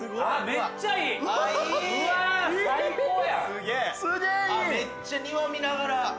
めっちゃ庭見ながら。